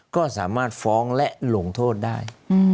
ก็สามารถฟ้องและหลงโทษได้